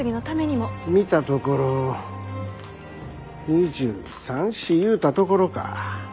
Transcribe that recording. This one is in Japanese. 見たところ２３２４ゆうたところか。